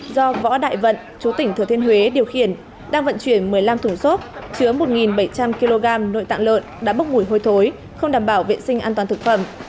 do võ đại vận chú tỉnh thừa thiên huế điều khiển đang vận chuyển một mươi năm thùng xốp chứa một bảy trăm linh kg nội tạng lợn đã bốc mùi hôi thối không đảm bảo vệ sinh an toàn thực phẩm